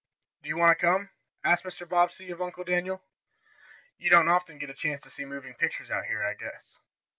Do you want to come?" asked Mr. Bobbsey of Uncle Daniel. "You don't often get a chance to see moving pictures out here, I guess.